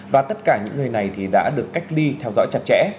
và tất cả những người này đã được cách ly theo dõi chặt chẽ